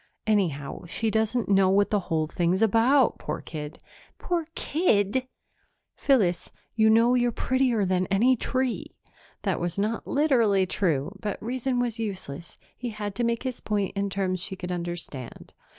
"Anyhow, she doesn't know what the whole thing's about, poor kid!" "Poor kid!" "Phyllis, you know you're prettier than any tree." That was not literally true, but reason was useless; he had to make his point in terms she could understand.